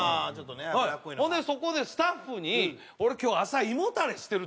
ほんでそこでスタッフに「俺今日朝胃もたれしてる」と。